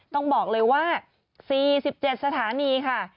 ต้องบอกเลยว่า๔๗สถานีค่ะ